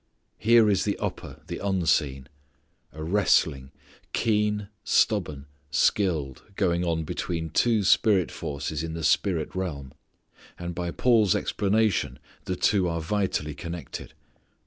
Here is the upper, the unseen: a "wrestling," keen, stubborn, skilled, going on between two spirit princes in the spirit realm. And by Paul's explanation the two are vitally connected.